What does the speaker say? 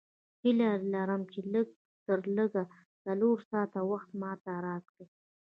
هیله لرم چې نن لږ تر لږه څلور ساعته وخت ماته راکړې.